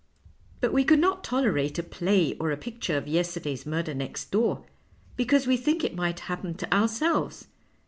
But we could not tolerate a play or a picture of yesterday's murder next door, because we think it might happen to our selves.